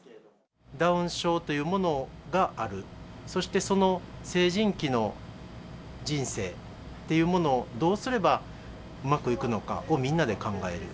ダウン症というものがある、そして、その成人期の人生っていうものを、どうすればうまくいくのかをみんなで考える。